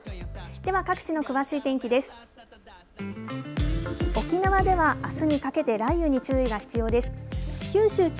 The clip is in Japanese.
では、各地の詳しい天気です。